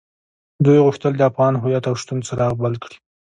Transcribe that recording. دوی غوښتل د افغان هويت او شتون څراغ بل کړي.